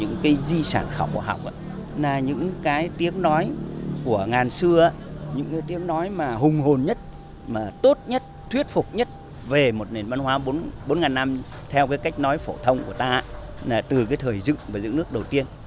những cái di sản khảo cổ học là những cái tiếng nói của ngàn xưa những cái tiếng nói mà hùng hồn nhất mà tốt nhất thuyết phục nhất về một nền văn hóa bốn năm theo cái cách nói phổ thông của ta là từ cái thời dựng và dựng nước đầu tiên